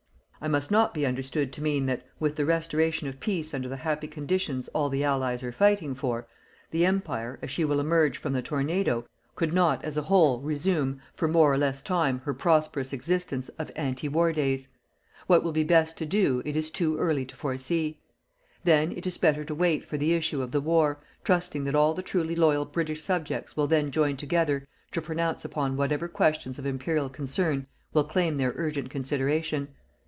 I must not be understood to mean that with the restoration of peace under the happy conditions all the Allies are fighting for, the Empire, as she will emerge from the tornado, could not, as a whole, resume, for more or less time, her prosperous existence of ante war days. What will be best to do, it is too early to foresee. Then it is better to wait for the issue of the war, trusting that all the truly loyal British subjects will then join together to pronounce upon whatever questions of imperial concern will claim their urgent consideration.